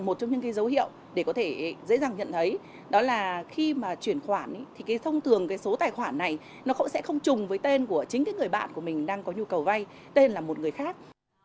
một trong những cái dấu hiệu để có thể dễ dàng nhận thấy đó là khi mà chuyển khoản thì cái thông thường cái số tài khoản này nó sẽ không chùng với tên của chính cái người bạn của mình đang có nhu cầu vay tên là một người khác